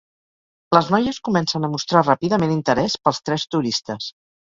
Les noies comencen a mostrar ràpidament interès pels tres turistes.